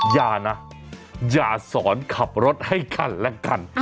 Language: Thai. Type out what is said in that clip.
อย่านะอย่าสอนขับรถให้กันและกัน